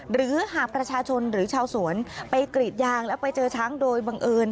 หรือหากประชาชนหรือชาวสวนไปกรีดยางแล้วไปเจอช้างโดยบังเอิญ